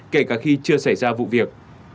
kể cả khi chưa xảy ra vụ việc